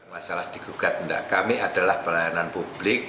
masalah di gugat tidak kami adalah pelayanan publik